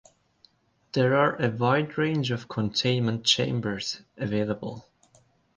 There are a wide range of containment chambers available.